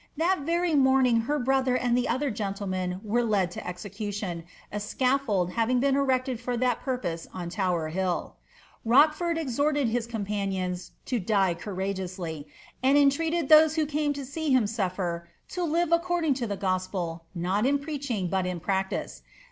That very morning her brother and the other gcnlleiuen were led to execution,* a scnlfold having been erected fur that purpose on Tower 1 lilt. Hochford exhorted his compaiiious'^io die cuursgeously," and entreated those who eurne to see him suirer. ''lO tiie accunliag to the gospel, itol in preacliingi but in practice."